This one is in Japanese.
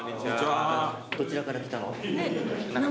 どちらから来たの？